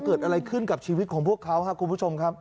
เกิดอะไรขึ้นกับชีวิตของพวกเขาครับคุณผู้ชมครับ